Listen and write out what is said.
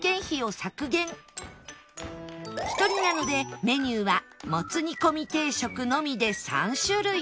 １人なのでメニューはもつ煮込み定食のみで３種類